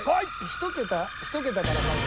１桁１桁からまず。